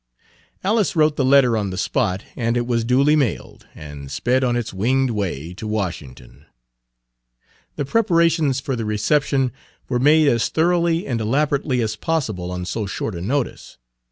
Alice wrote the letter on the spot and it was duly mailed, and sped on its winged way to Washington. The preparations for the reception were made as thoroughly and elaborately as possible on so short a notice.